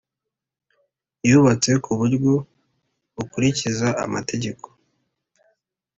yubatse ku buryo bukurikiza amategeko